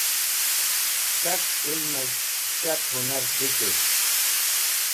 Shak ilmẽs̃h shak hũnar dhisũvd.